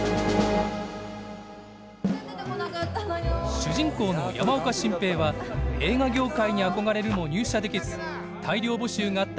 主人公の山岡進平は映画業界に憧れるも入社できず大量募集があった